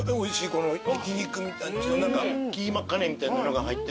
このひき肉みたいなキーマカレーみたいなのが入ってて。